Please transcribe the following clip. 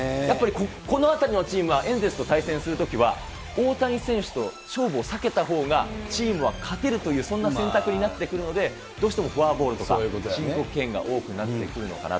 このあたりのチームはエンゼルスと対戦するときは、大谷選手と勝負を避けたほうがチームは勝てるという、そんな選択になってくるので、どうしてもフォアボールとか、申告敬遠が多くなってくるのかなと。